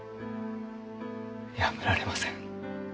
やめられません。